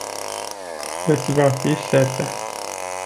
Iti va fi si sete.